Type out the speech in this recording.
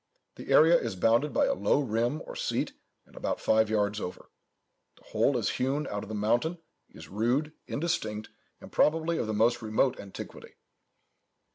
The area is bounded by a low rim, or seat, and about five yards over. The whole is hewn out of the mountain, is rude, indistinct, and probably of the most remote antiquity."